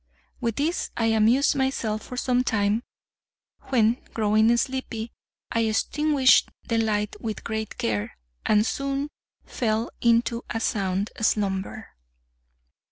With this I amused myself for some time, when, growing sleepy, I extinguished the light with great care, and soon fell into a sound slumber.